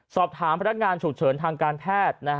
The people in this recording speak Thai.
สอบถามพนักงานฉุกเฉินทางการแพทย์